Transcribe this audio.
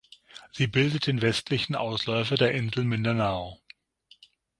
Sie bildet den westlichen Ausläufer der Insel Mindanao.